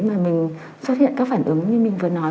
mà mình xuất hiện các phản ứng như mình vừa nói